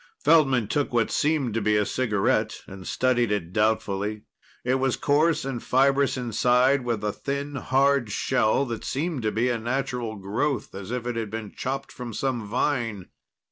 Feldman took what seemed to be a cigarette and studied it doubtfully. It was coarse and fibrous inside, with a thin, hard shell that seemed to be a natural growth, as if it had been chopped from some vine.